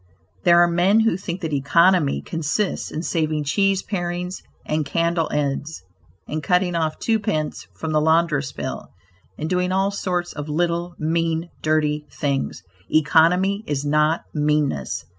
There are men who think that economy consists in saving cheese parings and candle ends, in cutting off two pence from the laundress' bill and doing all sorts of little, mean, dirty things. Economy is not meanness.